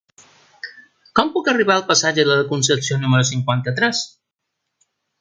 Com puc arribar al passatge de la Concepció número cinquanta-tres?